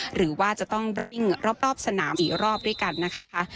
หรือว่าจะต้องวิ่งรอบสนามอีกรอบด้วยกันนะคะ